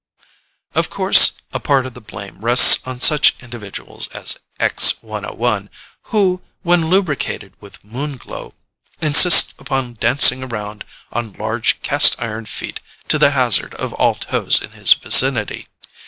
Of course, a part of the blame rests on such individuals as X 101, who, when lubricated with Moon Glow, insists upon dancing around on large, cast iron feet to the hazard of all toes in his vicinity.